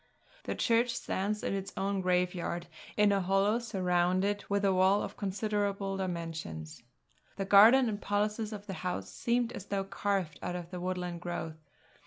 The church stands in its own graveyard, in a hollow surrounded with a wall of considerable dimensions. The garden and policies of the house seem as though carved out of the woodland growth.